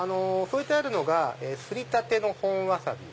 添えてあるのがすりたての本ワサビ